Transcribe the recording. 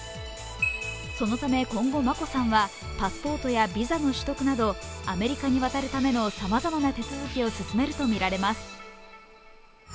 そのため今後、眞子さんはパスポートやビザの取得などアメリカに渡るためのさまざまな手続きを進めるとみられます。